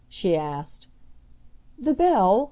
she asked. "The bell?